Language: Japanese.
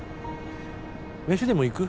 飯でも行く？